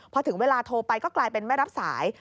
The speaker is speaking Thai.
พอถึงเวลาโทรไปก็กลายเป็นไม่รับสาย